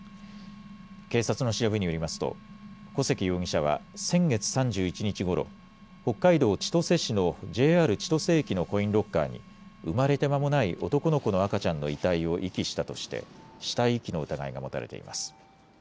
警察の調べによりますと、小関容疑者は先月３１日ごろ北海道千歳市のＪＲ千歳駅のコインロッカーに産まれてまもない男の子の赤ちゃんの遺体を遺棄したとして死体遺棄の疑いが持たれています。